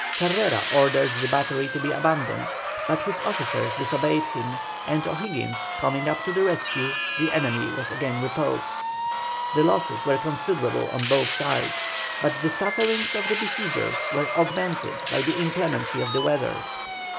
Carrera ordered the battery to be abandoned, but his officers disobeyed him, and O'Higgins coming up to the rescue, the enemy was again repulsed. The losses were considerable on both sides, but the sufferings of the besiegers were augmented by the inclemency of the weather.